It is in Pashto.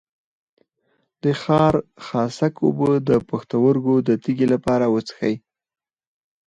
د خارخاسک اوبه د پښتورګو د تیږې لپاره وڅښئ